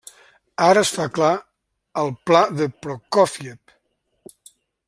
Ara es fa clar el pla de Prokófiev.